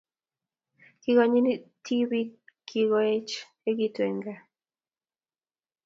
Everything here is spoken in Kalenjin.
Kikonyitii biik Che kikoechekitu eng kaa